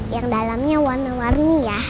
yang dalamnya warna warni ya